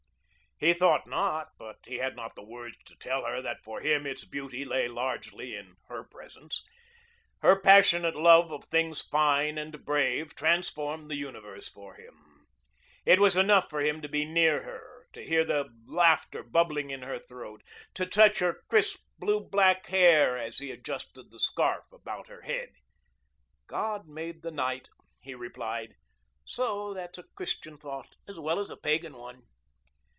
He thought not, but he had not the words to tell her that for him its beauty lay largely in her presence. Her passionate love of things fine and brave transformed the universe for him. It was enough for him to be near her, to hear the laughter bubbling in her throat, to touch her crisp, blue black hair as he adjusted the scarf about her head. "God made the night," he replied. "So that's a Christian thought as well as a pagan one."